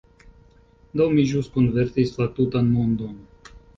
Do, mi ĵus konvertis la tutan mondon!